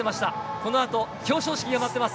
このあと表彰式が待っています。